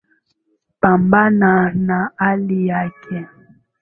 Pambana na hali yako